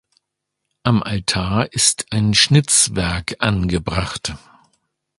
Am Altar ist ein Schnitzwerk angebracht.